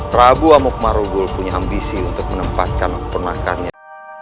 prabu amok marugul punya ambisi untuk menempatkan kepernakannya